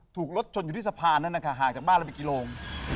ถูกรถชนอยู่ที่สะพานนั้นนะคะห่างจากบ้านละบีกเกียวโรง